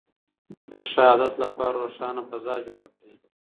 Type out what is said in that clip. د ښه عادت لپاره روښانه فضا جوړه کړئ.